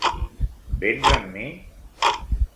vens amb mi?